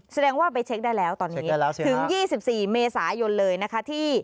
แสดงว่าไปเช็คได้แล้วตอนนี้ถึง๒๔เมษายนเลยนะคะที่